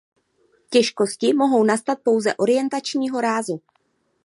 Těžkosti mohou nastat pouze orientačního rázu.